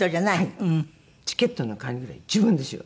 「チケットの管理ぐらい自分でしろ」。